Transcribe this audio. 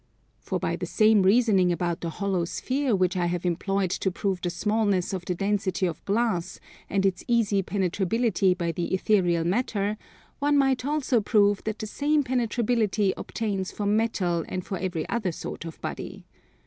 For by the same reasoning about the hollow sphere which I have employed to prove the smallness of the density of glass and its easy penetrability by the ethereal matter, one might also prove that the same penetrability obtains for metals and for every other sort of body.